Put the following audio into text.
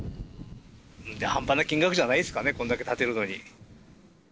半端な金額じゃないですからね、こんだけ建てるのに。